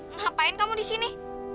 ngapain kamu disini